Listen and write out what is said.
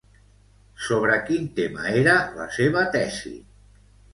Sobre quin tema era la seva tesi?